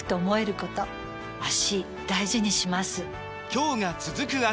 今日が、続く脚。